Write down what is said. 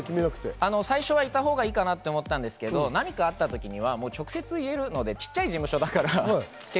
最初はいたほうがいいかなと思ったんですけれど、何かあった時は直接言えるので、小さい事務所だから。